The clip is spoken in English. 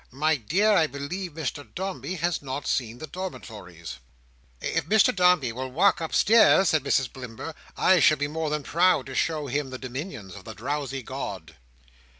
My dear, I believe Mr Dombey has not seen the dormitories." "If Mr Dombey will walk upstairs," said Mrs Blimber, "I shall be more than proud to show him the dominions of the drowsy god."